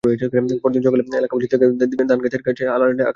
পরদিন সকালে এলাকাবাসী দেখেন খেতের ধানগাছের পাতা লালচে আকার ধারণ করেছে।